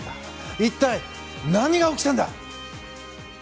一体、何が起きたんだ！